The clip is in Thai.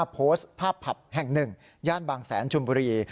โพสต์ภาพผับแห่งหนึ่งย่านบางแสนชมบุรี